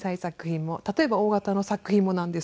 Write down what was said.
例えば大型の作品もなんですけど。